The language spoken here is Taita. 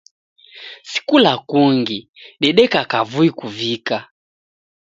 Si kula kungi, dedeka kavui kuvika.